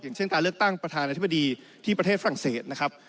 เช่นการเลือกตั้งประธานาธิบดีที่ประเทศฝรั่งเศสนะครับ